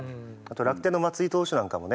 楽天の松井投手なんかもね